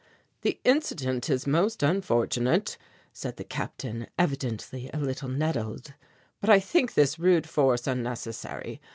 "The incident is most unfortunate," said the Captain, evidently a little nettled, "but I think this rude force unnecessary.